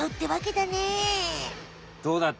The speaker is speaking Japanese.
どうだった？